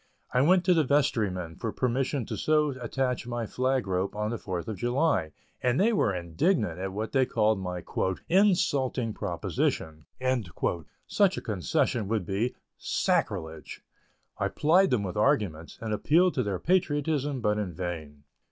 I went to the vestrymen for permission to so attach my flag rope on the Fourth of July, and they were indignant at what they called my "insulting proposition"; such a concession would be "sacrilege." I plied them with arguments, and appealed to their patriotism, but in vain.